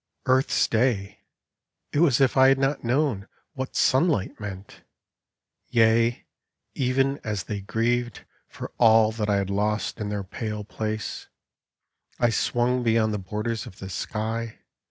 Earth's day! it was as if I had not known What sunlight meant I •.• Yea, even as they grieved For all that I had lost in their pale place, I swung beyond the borders of the sky.